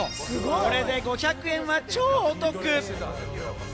これで５００円は超お得。